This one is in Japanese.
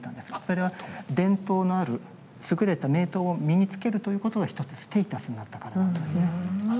それは伝統のある優れた名刀を身に着けるということが一つステータスになったからなんですね。